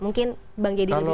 mungkin bang jayadi ini dulu